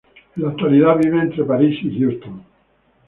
En la actualidad vive entre París y Houston.